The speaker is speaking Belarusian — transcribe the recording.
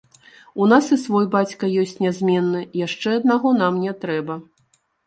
У нас і свой бацька ёсць нязменны, яшчэ аднаго нам не трэба.